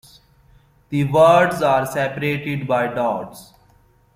The words are separated by dots.